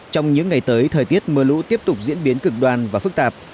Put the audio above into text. trong những ngày tới thời tiết mưa lũ tiếp tục diễn biến cực đoan và phức tạp